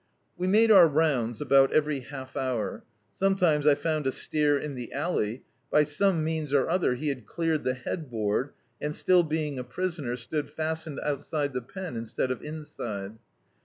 We made our rounds about every half hour. Some times I found a steer in the alley; by some means or other he had cleared the head board and, still being a prisoner, stood fastened outside the pen in stead of inside.